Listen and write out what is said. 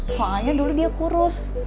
soalnya dulu dia kurus